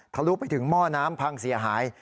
ลุไปถึงหม้อน้ำพังเสียหาย